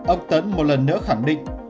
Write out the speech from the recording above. ông tấn một lần nữa khẳng định